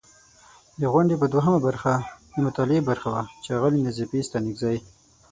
د غونډې په دوهمه برخه، د مطالعې برخه وه چې اغلې نظیفې ستانکزۍ